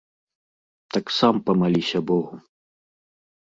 Так сам памаліся богу.